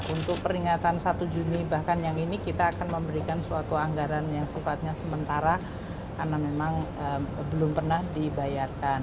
untuk peringatan satu juni bahkan yang ini kita akan memberikan suatu anggaran yang sifatnya sementara karena memang belum pernah dibayarkan